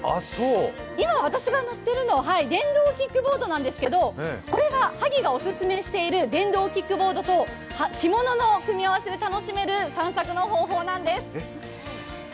今、私が乗っているのは電動キックボードなんですけどこれが萩がお勧めしている電動キックボードと着物の組み合わせで楽しめる散策の方法なんです。